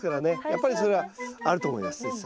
やっぱりそれはあると思います。